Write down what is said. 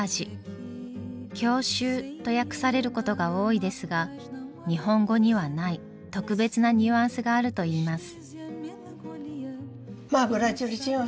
「郷愁」と訳されることが多いですが日本語にはない特別なニュアンスがあると言います。